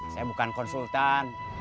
saya bukan konsultan